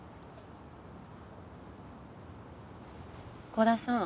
鼓田さん。